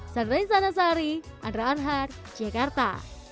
saya rainsana sari andra anhar jakarta